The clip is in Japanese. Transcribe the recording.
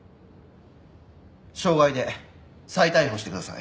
傷害で再逮捕してください。